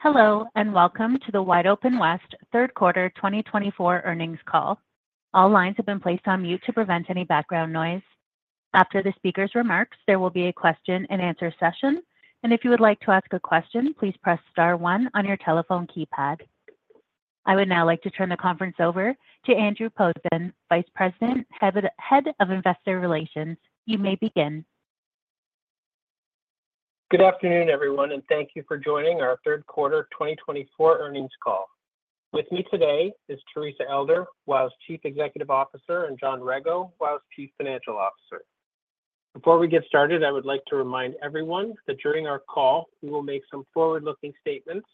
Hello, and welcome to the WideOpenWest Third Quarter 2024 Earnings Call. All lines have been placed on mute to prevent any background noise. After the speaker's remarks, there will be a question-and-answer session, and if you would like to ask a question, please press star 1 on your telephone keypad. I would now like to turn the conference over to Andrew Posen, Vice President, Head of Investor Relations. You may begin. Good afternoon, everyone, and thank you for joining our third quarter 2024 earnings call. With me today is Teresa Elder, WOW's Chief Executive Officer, and John Rego, WOW's Chief Financial Officer. Before we get started, I would like to remind everyone that during our call, we will make some forward-looking statements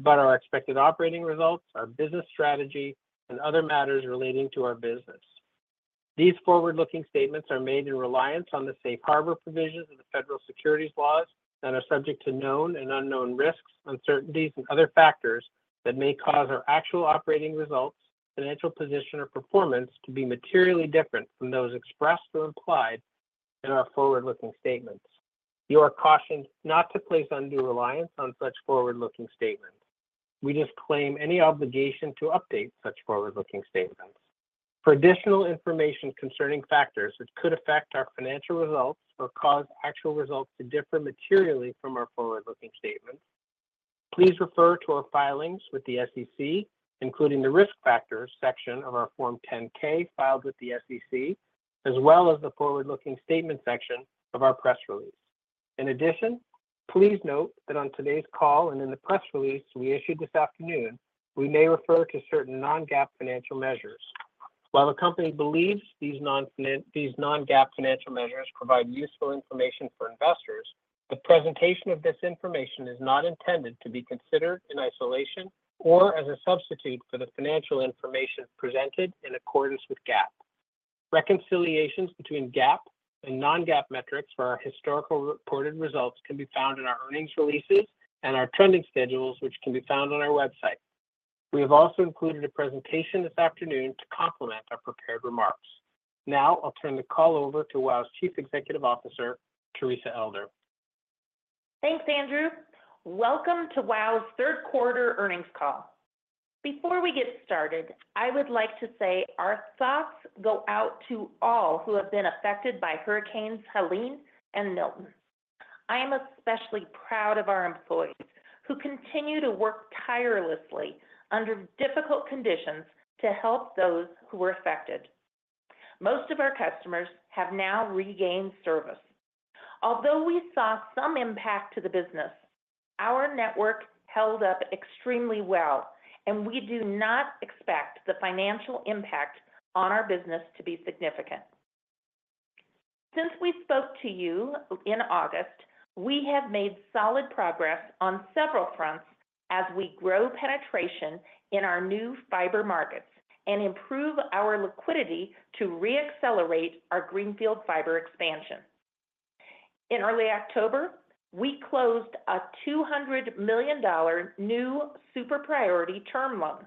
about our expected operating results, our business strategy, and other matters relating to our business. These forward-looking statements are made in reliance on the safe harbor provisions of the federal securities laws and are subject to known and unknown risks, uncertainties, and other factors that may cause our actual operating results, financial position, or performance to be materially different from those expressed or implied in our forward-looking statements. You are cautioned not to place undue reliance on such forward-looking statements. We disclaim any obligation to update such forward-looking statements. For additional information concerning factors that could affect our financial results or cause actual results to differ materially from our forward-looking statements, please refer to our filings with the SEC, including the risk factors section of our Form 10-K filed with the SEC, as well as the forward-looking statement section of our press release. In addition, please note that on today's call and in the press release we issued this afternoon, we may refer to certain non-GAAP financial measures. While the company believes these non-GAAP financial measures provide useful information for investors, the presentation of this information is not intended to be considered in isolation or as a substitute for the financial information presented in accordance with GAAP. Reconciliations between GAAP and non-GAAP metrics for our historical reported results can be found in our earnings releases and our trending schedules, which can be found on our website. We have also included a presentation this afternoon to complement our prepared remarks. Now I'll turn the call over to WOW's Chief Executive Officer, Teresa Elder. Thanks, Andrew. Welcome to WOW's third quarter earnings call. Before we get started, I would like to say our thoughts go out to all who have been affected by Hurricanes Helene and Milton. I am especially proud of our employees who continue to work tirelessly under difficult conditions to help those who were affected. Most of our customers have now regained service. Although we saw some impact to the business, our network held up extremely well, and we do not expect the financial impact on our business to be significant. Since we spoke to you in August, we have made solid progress on several fronts as we grow penetration in our new fiber markets and improve our liquidity to re-accelerate our greenfield fiber expansion. In early October, we closed a $200 million new super priority term loan,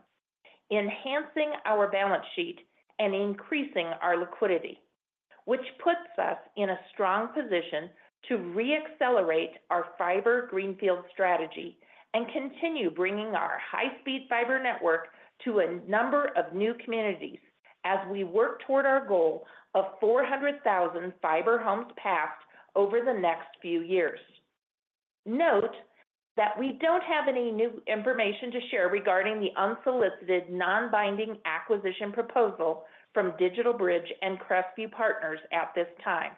enhancing our balance sheet and increasing our liquidity, which puts us in a strong position to re-accelerate our fiber greenfield strategy and continue bringing our high-speed fiber network to a number of new communities as we work toward our goal of 400,000 fiber homes passed over the next few years. Note that we don't have any new information to share regarding the unsolicited non-binding acquisition proposal from DigitalBridge and Crestview Partners at this time,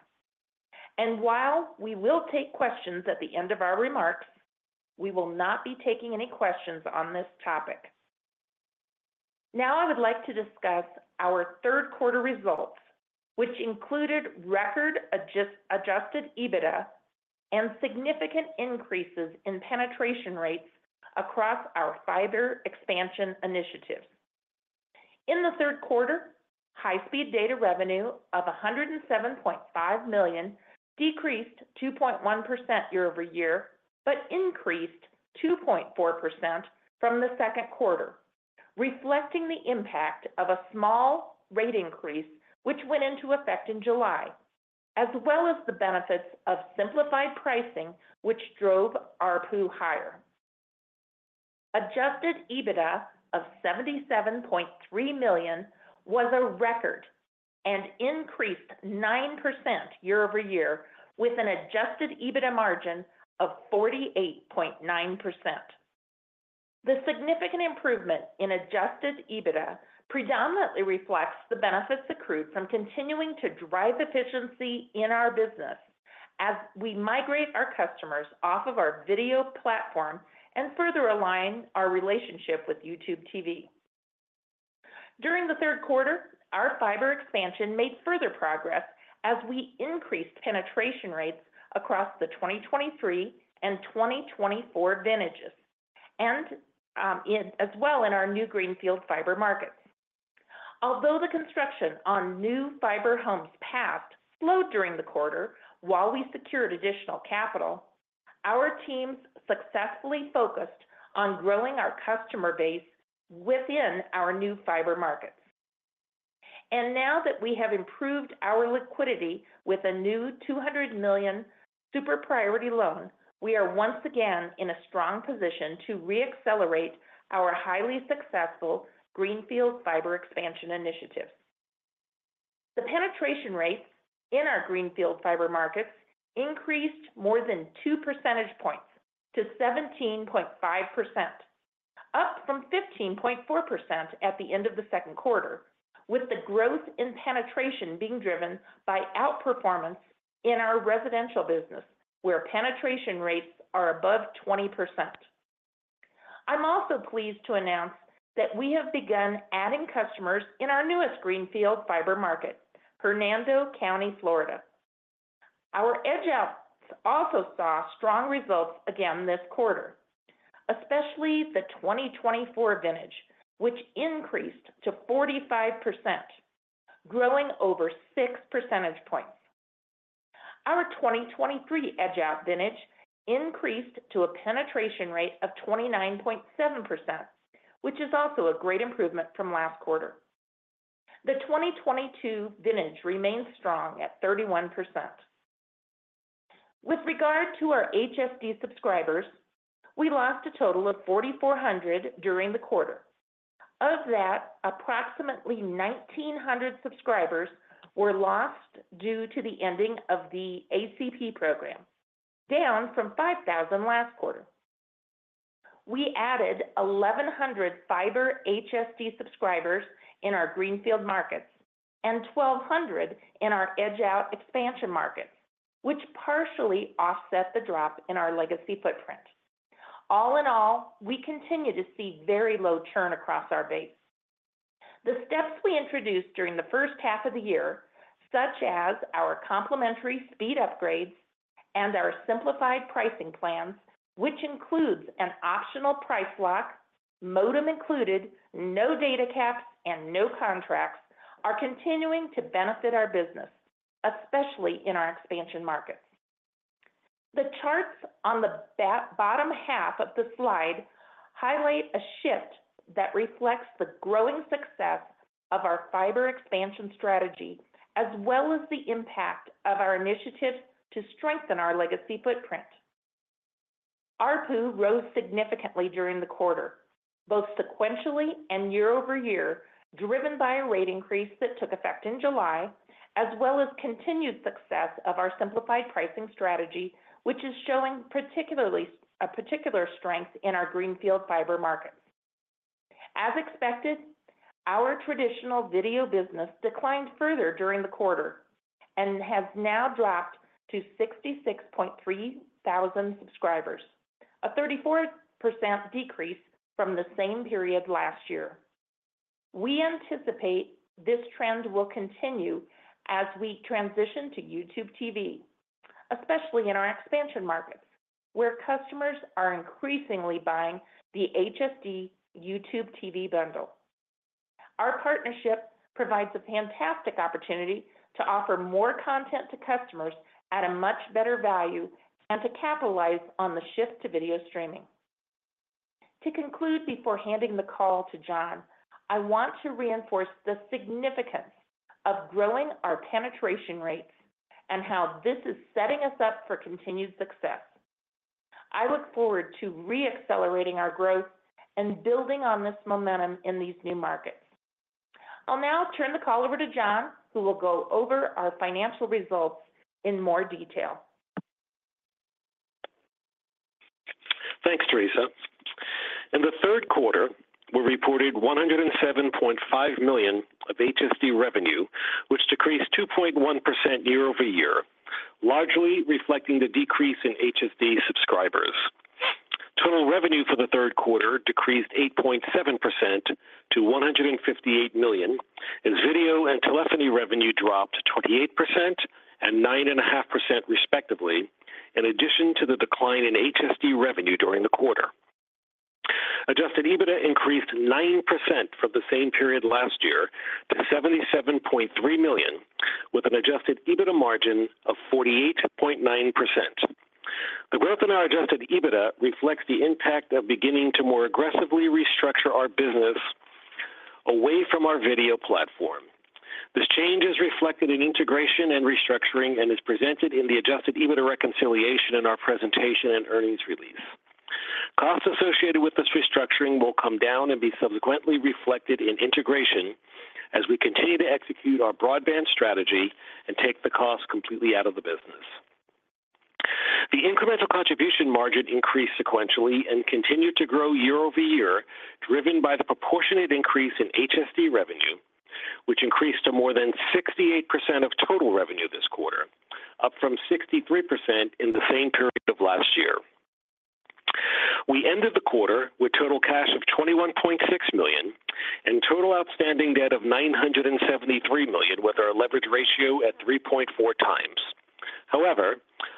and while we will take questions at the end of our remarks, we will not be taking any questions on this topic. Now I would like to discuss our third quarter results, which included record Adjusted EBITDA and significant increases in penetration rates across our fiber expansion initiatives. In the third quarter, high-speed data revenue of $107.5 million decreased 2.1% year-over-year, but increased 2.4% from the second quarter, reflecting the impact of a small rate increase, which went into effect in July, as well as the benefits of simplified pricing, which drove ARPU higher. Adjusted EBITDA of $77.3 million was a record and increased 9% year-over-year with an adjusted EBITDA margin of 48.9%. The significant improvement in adjusted EBITDA predominantly reflects the benefits accrued from continuing to drive efficiency in our business as we migrate our customers off of our video platform and further align our relationship with YouTube TV. During the third quarter, our fiber expansion made further progress as we increased penetration rates across the 2023 and 2024 vintages, and as well in our new greenfield fiber markets. Although the construction on new fiber homes passed slowed during the quarter while we secured additional capital, our teams successfully focused on growing our customer base within our new fiber markets, and now that we have improved our liquidity with a new $200 million super priority loan, we are once again in a strong position to re-accelerate our highly successful greenfield fiber expansion initiatives. The penetration rates in our greenfield fiber markets increased more than two percentage points to 17.5%, up from 15.4% at the end of the second quarter, with the growth in penetration being driven by outperformance in our residential business, where penetration rates are above 20%. I'm also pleased to announce that we have begun adding customers in our newest greenfield fiber market, Hernando County, Florida. Our edge-outs also saw strong results again this quarter, especially the 2024 vintage, which increased to 45%, growing over 6 percentage points. Our 2023 edge-out vintage increased to a penetration rate of 29.7%, which is also a great improvement from last quarter. The 2022 vintage remains strong at 31%. With regard to our HSD subscribers, we lost a total of 4,400 during the quarter. Of that, approximately 1,900 subscribers were lost due to the ending of the ACP program, down from 5,000 last quarter. We added 1,100 fiber HSD subscribers in our greenfield markets and 1,200 in our edge-out expansion markets, which partially offset the drop in our legacy footprint. All in all, we continue to see very low churn across our base. The steps we introduced during the first half of the year, such as our complementary speed upgrades and our simplified pricing plans, which includes an optional price lock, modem included, no data caps, and no contracts, are continuing to benefit our business, especially in our expansion markets. The charts on the bottom half of the slide highlight a shift that reflects the growing success of our fiber expansion strategy, as well as the impact of our initiatives to strengthen our legacy footprint. ARPU rose significantly during the quarter, both sequentially and year-over-year, driven by a rate increase that took effect in July, as well as continued success of our simplified pricing strategy, which is showing particularly a particular strength in our greenfield fiber markets. As expected, our traditional video business declined further during the quarter and has now dropped to 66.3 thousand subscribers, a 34% decrease from the same period last year. We anticipate this trend will continue as we transition to YouTube TV, especially in our expansion markets, where customers are increasingly buying the HSD YouTube TV bundle. Our partnership provides a fantastic opportunity to offer more content to customers at a much better value and to capitalize on the shift to video streaming. To conclude before handing the call to John, I want to reinforce the significance of growing our penetration rates and how this is setting us up for continued success. I look forward to re-accelerating our growth and building on this momentum in these new markets. I'll now turn the call over to John, who will go over our financial results in more detail. Thanks, Teresa. In the third quarter, we reported $107.5 million of HSD revenue, which decreased 2.1% year-over-year, largely reflecting the decrease in HSD subscribers. Total revenue for the third quarter decreased 8.7% to $158 million, as video and telephony revenue dropped 28% and 9.5% respectively, in addition to the decline in HSD revenue during the quarter. Adjusted EBITDA increased 9% from the same period last year to $77.3 million, with an adjusted EBITDA margin of 48.9%. The growth in our adjusted EBITDA reflects the impact of beginning to more aggressively restructure our business away from our video platform. This change is reflected in integration and restructuring and is presented in the adjusted EBITDA reconciliation in our presentation and earnings release. Costs associated with this restructuring will come down and be subsequently reflected in integration as we continue to execute our broadband strategy and take the costs completely out of the business. The incremental contribution margin increased sequentially and continued to grow year-over-year, driven by the proportionate increase in HSD revenue, which increased to more than 68% of total revenue this quarter, up from 63% in the same period of last year. We ended the quarter with total cash of $21.6 million and total outstanding debt of $973 million, with our leverage ratio at 3.4 times. However,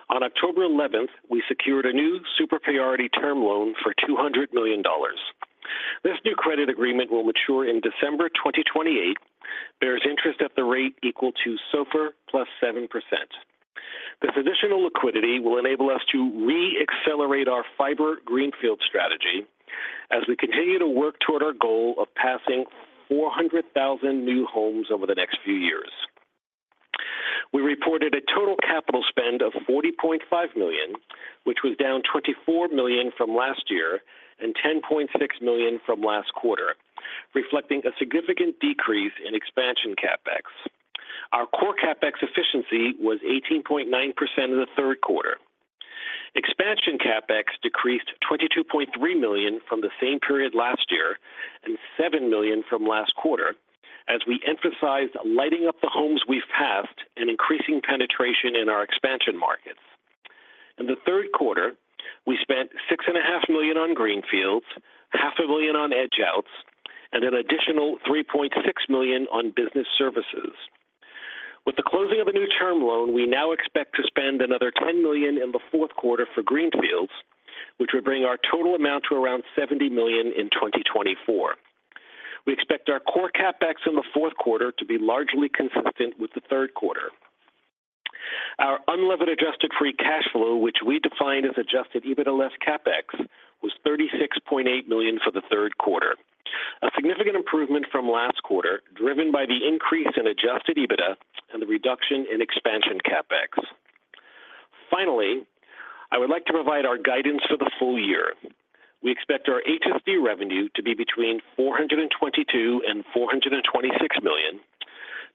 on October 11th, we secured a new super priority term loan for $200 million. This new credit agreement will mature in December 2028, bears interest at the rate equal to SOFR plus 7%. This additional liquidity will enable us to re-accelerate our fiber greenfield strategy as we continue to work toward our goal of passing 400,000 new homes over the next few years. We reported a total capital spend of $40.5 million, which was down $24 million from last year and $10.6 million from last quarter, reflecting a significant decrease in expansion CapEx. Our core CapEx efficiency was 18.9% in the third quarter. Expansion CapEx decreased $22.3 million from the same period last year and $7 million from last quarter, as we emphasized lighting up the homes we've passed and increasing penetration in our expansion markets. In the third quarter, we spent $6.5 million on greenfields, $500,000 on edge-outs, and an additional $3.6 million on business services. With the closing of a new term loan, we now expect to spend another $10 million in the fourth quarter for greenfields, which would bring our total amount to around $70 million in 2024. We expect our core CapEx in the fourth quarter to be largely consistent with the third quarter. Our unlevered adjusted free cash flow, which we defined as adjusted EBITDA less CapEx, was $36.8 million for the third quarter, a significant improvement from last quarter, driven by the increase in adjusted EBITDA and the reduction in expansion CapEx. Finally, I would like to provide our guidance for the full year. We expect our HSD revenue to be between $422 million and $426 million,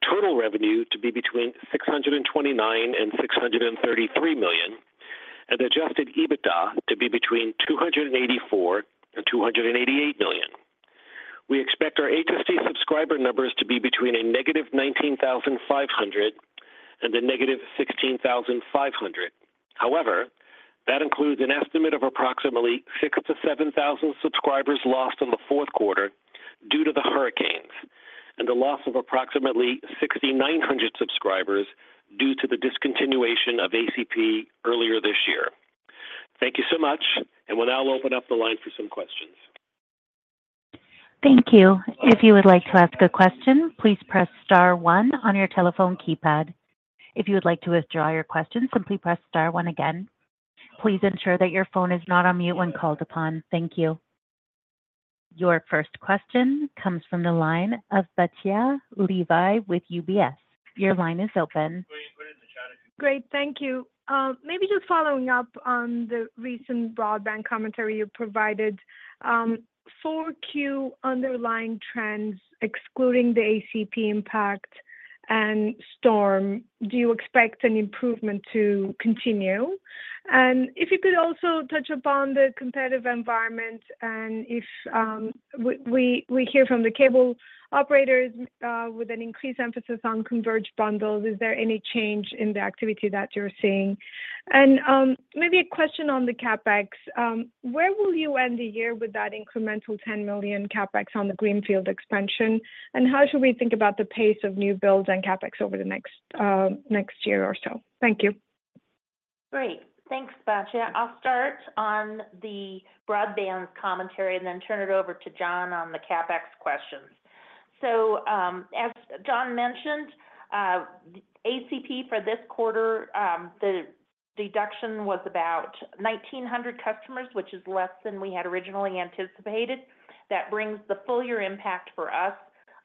total revenue to be between $629 million and $633 million, and adjusted EBITDA to be between $284 million and $288 million. We expect our HSD subscriber numbers to be between -19,500 and -16,500. However, that includes an estimate of approximately 6-7,000 subscribers lost in the fourth quarter due to the hurricanes and the loss of approximately 6,900 subscribers due to the discontinuation of ACP earlier this year. Thank you so much, and we'll now open up the line for some questions. Thank you. If you would like to ask a question, please press star 1 on your telephone keypad. If you would like to withdraw your question, simply press star 1 again. Please ensure that your phone is not on mute when called upon. Thank you. Your first question comes from the line of Batya Levi with UBS. Your line is open. Great. Thank you. Maybe just following up on the recent broadband commentary you provided, 4Q underlying trends, excluding the ACP impact and storm, do you expect an improvement to continue? And if you could also touch upon the competitive environment and if we hear from the cable operators with an increased emphasis on converged bundles, is there any change in the activity that you're seeing? And maybe a question on the CapEx. Where will you end the year with that incremental $10 million CapEx on the greenfield expansion? And how should we think about the pace of new builds and CapEx over the next year or so? Thank you. Great. Thanks, Batya. I'll start on the broadband commentary and then turn it over to John on the CapEx questions. As John mentioned, ACP for this quarter, the deduction was about 1,900 customers, which is less than we had originally anticipated. That brings the full year impact for us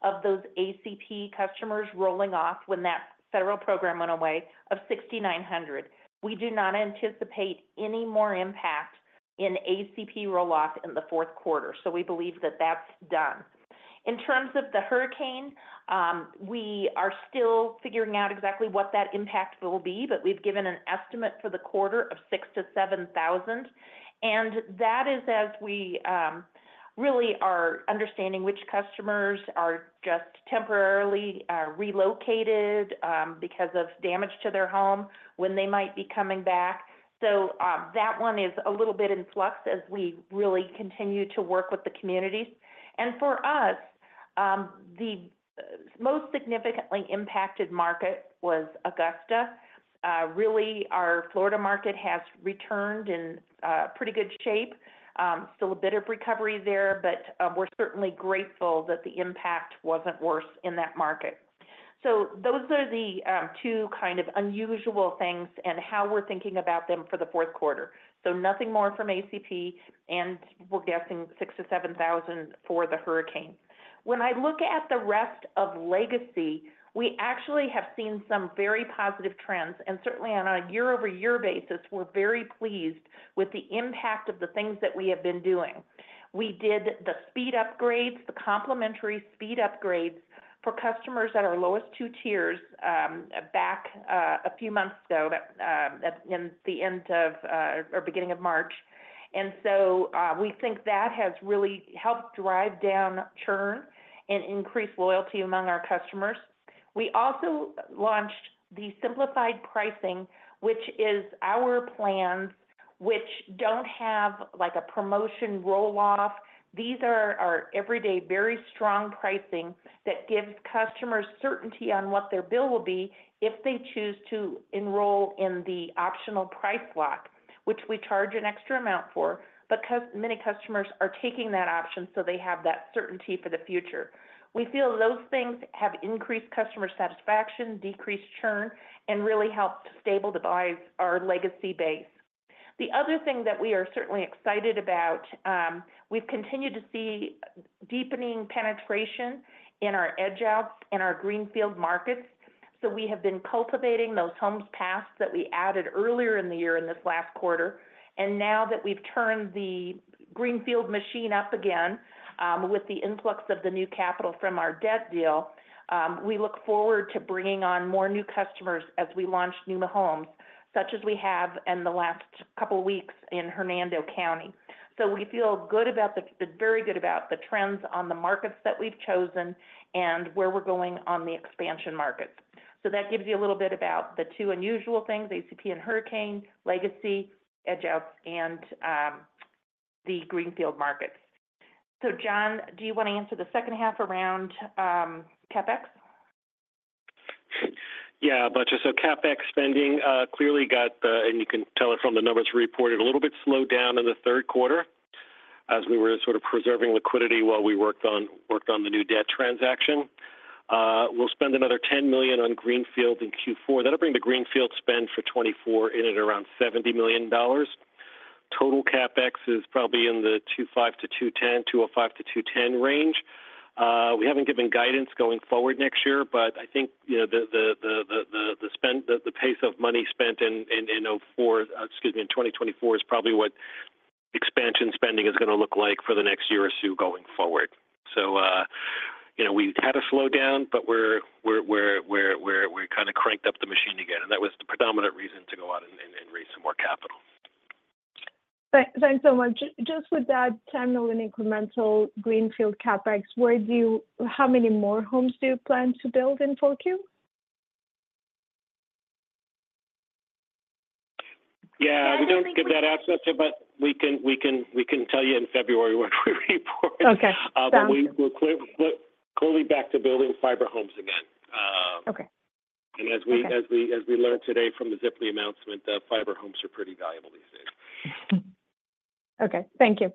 of those ACP customers rolling off when that federal program went away of 6,900. We do not anticipate any more impact in ACP roll-off in the fourth quarter, so we believe that that's done. In terms of the hurricane, we are still figuring out exactly what that impact will be, but we've given an estimate for the quarter of 6-7 thousand. And that is as we really are understanding which customers are just temporarily relocated because of damage to their home when they might be coming back. That one is a little bit in flux as we really continue to work with the communities. For us, the most significantly impacted market was Augusta. Really, our Florida market has returned in pretty good shape. Still a bit of recovery there, but we're certainly grateful that the impact wasn't worse in that market. Those are the two kind of unusual things and how we're thinking about them for the fourth quarter. Nothing more from ACP, and we're guessing $6,000-$7,000 for the hurricane. When I look at the rest of legacy, we actually have seen some very positive trends, and certainly on a year-over-year basis, we're very pleased with the impact of the things that we have been doing. We did the speed upgrades, the complementary speed upgrades for customers at our lowest two tiers back a few months ago in the end of or beginning of March, and so we think that has really helped drive down churn and increase loyalty among our customers. We also launched the simplified pricing, which is our plans which don't have like a promotion roll-off. These are our everyday very strong pricing that gives customers certainty on what their bill will be if they choose to enroll in the optional price lock, which we charge an extra amount for, but many customers are taking that option so they have that certainty for the future. We feel those things have increased customer satisfaction, decreased churn, and really helped stabilize our legacy base. The other thing that we are certainly excited about, we've continued to see deepening penetration in our edge-outs and our greenfield markets. So we have been cultivating those homes passed that we added earlier in the year in this last quarter. And now that we've turned the greenfield machine up again with the influx of the new capital from our debt deal, we look forward to bringing on more new customers as we launch new homes, such as we have in the last couple of weeks in Hernando County. So we feel good about the trends on the markets that we've chosen and where we're going on the expansion markets. So that gives you a little bit about the two unusual things, ACP and hurricane, legacy, edge-outs, and the greenfield markets. So John, do you want to answer the second half around CapEx? Yeah, Batya. So CapEx spending clearly got the, and you can tell it from the numbers we reported, a little bit slowed down in the third quarter as we were sort of preserving liquidity while we worked on the new debt transaction. We'll spend another $10 million on greenfield in Q4. That'll bring the greenfield spend for 2024 in at around $70 million. Total CapEx is probably in the $205 million-$210 million range. We haven't given guidance going forward next year, but I think the pace of money spent in 2004, excuse me, in 2024 is probably what expansion spending is going to look like for the next year or so going forward. So we had a slowdown, but we're kind of cranked up the machine again, and that was the predominant reason to go out and raise some more capital. Thanks so much. Just with that 10 million incremental greenfield CapEx, how many more homes do you plan to build in Q4? Yeah, we don't give that guidance, but we can tell you in February what we report. Okay. But we're clearly back to building fiber homes again. Okay. As we learned today from the Ziply announcement, the fiber homes are pretty valuable these days. Okay. Thank you.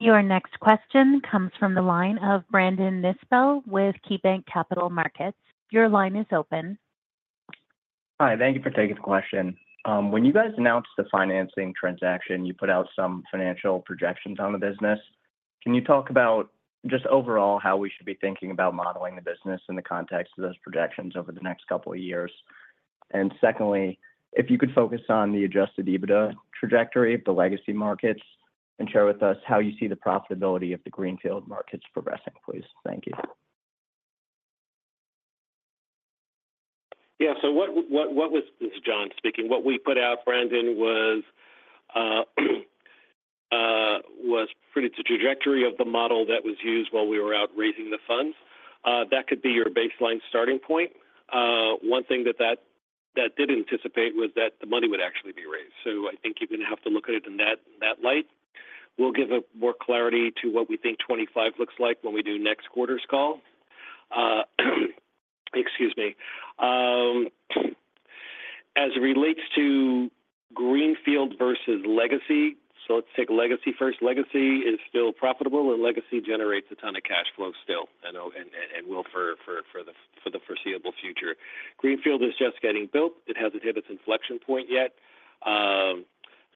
Your next question comes from the line of Brandon Nispel with KeyBanc Capital Markets. Your line is open. Hi. Thank you for taking the question. When you guys announced the financing transaction, you put out some financial projections on the business. Can you talk about just overall how we should be thinking about modeling the business in the context of those projections over the next couple of years? And secondly, if you could focus on the Adjusted EBITDA trajectory of the legacy markets and share with us how you see the profitability of the greenfield markets progressing, please. Thank you. Yeah. So what was John speaking? What we put out, Brandon, was pretty much the trajectory of the model that was used while we were out raising the funds. That could be your baseline starting point. One thing that that did anticipate was that the money would actually be raised. So I think you're going to have to look at it in that light. We'll give more clarity to what we think 2025 looks like when we do next quarter's call. Excuse me. As it relates to greenfield versus legacy, so let's take legacy first. Legacy is still profitable, and legacy generates a ton of cash flow still and will for the foreseeable future. Greenfield is just getting built. It hasn't hit its inflection point yet.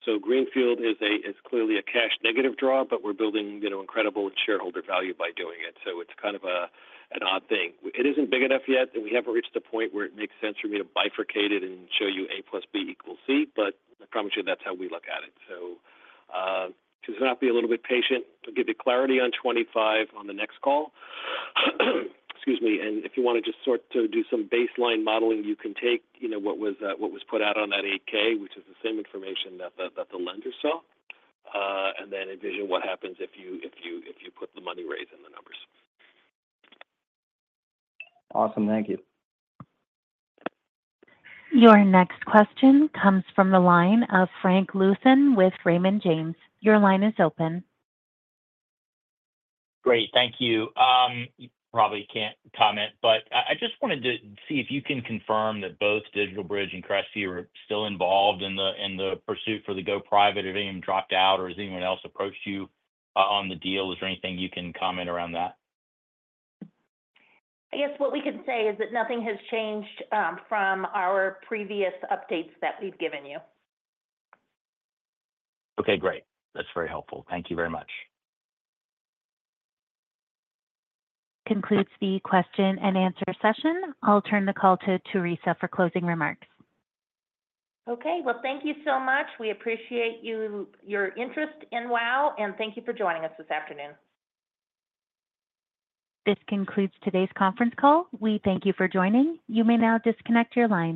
So greenfield is clearly a cash negative draw, but we're building incredible shareholder value by doing it. So it's kind of an odd thing. It isn't big enough yet, and we haven't reached the point where it makes sense for me to bifurcate it and show you A plus B equals C, but I promise you that's how we look at it. So just be a little bit patient. We'll give you clarity on 2025 on the next call. Excuse me. And if you want to just start to do some baseline modeling, you can take what was put out on that 8-K, which is the same information that the lender saw, and then envision what happens if you put the money raised in the numbers. Awesome. Thank you. Your next question comes from the line of Frank Louthan with Raymond James. Your line is open. Great. Thank you. You probably can't comment, but I just wanted to see if you can confirm that both DigitalBridge and Crestview are still involved in the pursuit for the go private. Have any of them dropped out, or has anyone else approached you on the deal? Is there anything you can comment around that? I guess what we can say is that nothing has changed from our previous updates that we've given you. Okay. Great. That's very helpful. Thank you very much. Concludes the question and answer session. I'll turn the call to Teresa for closing remarks. Okay. Well, thank you so much. We appreciate your interest in WOW, and thank you for joining us this afternoon. This concludes today's conference call. We thank you for joining. You may now disconnect your line.